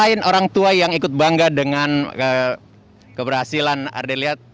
selain orang tua yang ikut bangga dengan keberhasilan ardelia